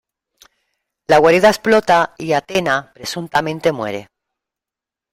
La guarida explota y Athena presuntamente muere.